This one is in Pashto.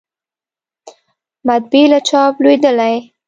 مطبعې له چاپ لویدلې